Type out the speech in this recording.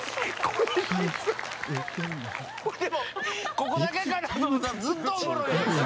ここだけかと思ったらずっとおもろい。